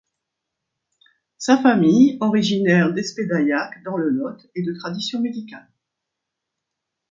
Sa famille, originaire d'Espedaillac, dans le Lot, est de tradition médicale.